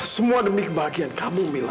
semua demi kebahagiaan kamu mila